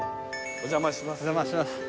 お邪魔します